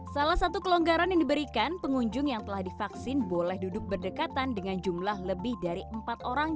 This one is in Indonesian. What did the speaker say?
salah satu kelonggaran yang diberikan pengunjung yang telah divaksin boleh duduk berdekatan dengan jumlah lebih dari empat orang